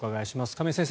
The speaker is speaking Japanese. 亀井先生